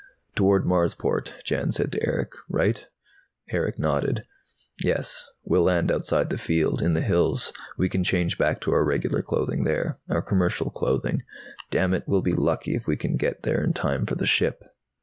"Toward Marsport," Jan said to Erick. "Right?" Erick nodded. "Yes. We'll land outside the field, in the hills. We can change back to our regular clothing there, our commercial clothing. Damn it we'll be lucky if we can get there in time for the ship."